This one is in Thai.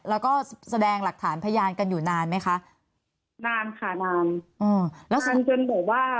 แล้วก็แสดงหลักฐานพยานกันอยู่นานไหมคะนานค่ะนานอืมแล้วกันจนบอกว่า